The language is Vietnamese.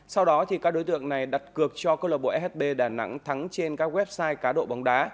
sau đó các đối tượng này đặt cược cho công an shb đà nẵng thắng trên các website cá độ bóng đá